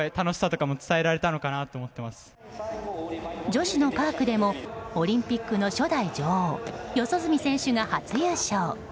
女子のパークでもオリンピックの初代女王四十住選手が初優勝。